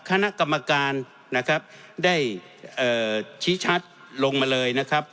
คณะกรรมการนะครับได้ชี้ชัดลงมาเลยนะครับ